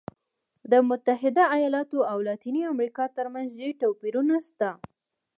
د متحده ایالتونو او لاتینې امریکا ترمنځ ډېر توپیرونه شته.